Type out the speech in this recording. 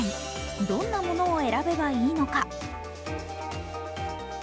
どんなものを選べばいいのか。